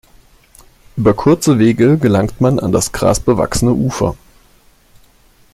Über kurze Wege gelangt man an das grasbewachsene Ufer.